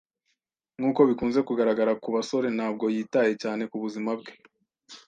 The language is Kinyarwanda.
Nkuko bikunze kugaragara ku basore, ntabwo yitaye cyane ku buzima bwe.